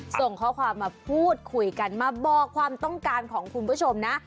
ส่งข้อความมาพูดคุยกันมาบอกความต้องการของคุณผู้ชมนะ